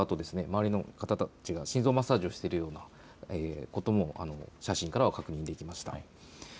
周りの方たちが心臓マッサージをしているようなことも写真からは確認できました。